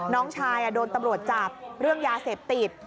น้องชายโดนตำรวจจับเรื่องยาเสพติด